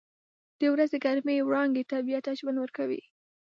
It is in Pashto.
• د ورځې ګرمې وړانګې طبیعت ته ژوند ورکوي.